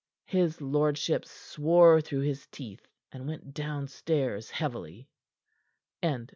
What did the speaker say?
His lordship swore through his teeth, and went downstairs heavily. CHAPTER X.